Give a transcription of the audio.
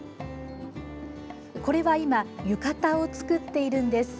これは今浴衣を作っているんです。